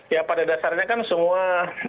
ya pada dasarnya kan semua